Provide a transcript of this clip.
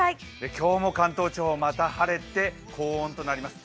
今日も関東地方、また晴れて高温となります。